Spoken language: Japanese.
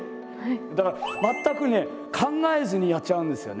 だから全くね考えずにやっちゃうんですよね。